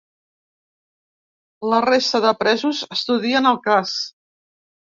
La resta de presos estudien el cas.